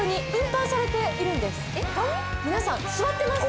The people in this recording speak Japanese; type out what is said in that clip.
皆さん座ってます。